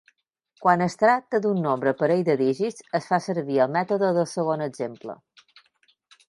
Quan es tracta d'un nombre parell de dígits, es fa servir el mètode del segon exemple.